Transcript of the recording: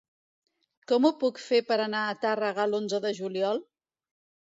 Com ho puc fer per anar a Tàrrega l'onze de juliol?